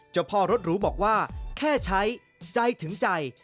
เจ้าพ่อรถหรูบอกว่าแค่ใช้ใจถึงใจ